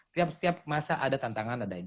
setiap masa ada tantangan ada ini